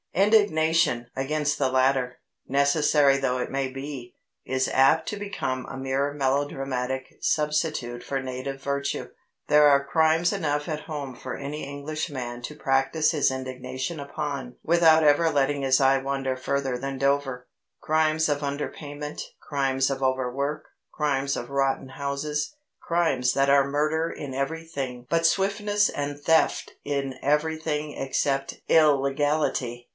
Indignation against the latter, necessary though it may be, is apt to become a mere melodramatic substitute for native virtue. There are crimes enough at home for any Englishman to practise his indignation upon without ever letting his eye wander further than Dover crimes of underpayment, crimes of overwork, crimes of rotten houses, crimes that are murder in everything but swiftness and theft in everything except illegality.